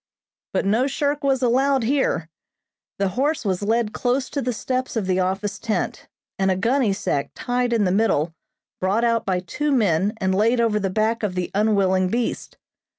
But no shirk was allowed here. The horse was led close to the steps of the office tent, and a gunny sack tied in the middle brought out by two men and laid over the back of the unwilling beast.